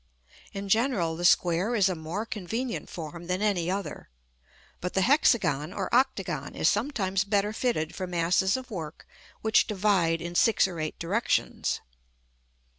In general the square is a more convenient form than any other; but the hexagon or octagon is sometimes better fitted for masses of work which divide in six or eight directions.